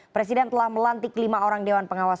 presiden telah melantik lima orang dewan pengawas